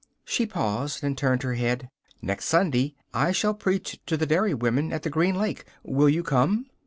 She paused and turned her head. 'Next Sunday I shall preach to the dairy women at the Green Lake; will you come?